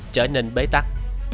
trở nên bế tắc